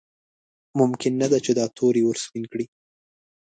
ممکن نه ده چې دا تور یې ورسپین کړي.